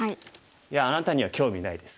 「いやあなたには興味ないです。